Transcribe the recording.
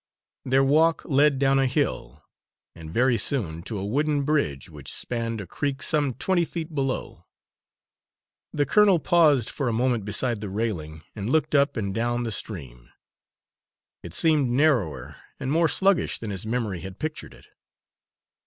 Their walk led down a hill, and, very soon, to a wooden bridge which spanned a creek some twenty feet below. The colonel paused for a moment beside the railing, and looked up and down the stream. It seemed narrower and more sluggish than his memory had pictured it.